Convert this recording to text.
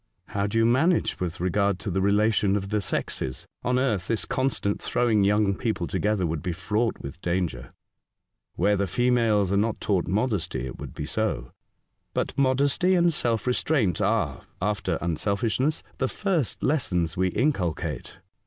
" How do you manage with regard to the relation of the sexes ? On earth this constant throwing young people together would be fraught with danger." " Where the females are not taught modesty it would be so ; but modesty and self restraint are, after unselfishness, the first lessons we inculcate.